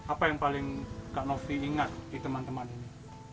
apa yang paling kak novi ingat di teman teman ini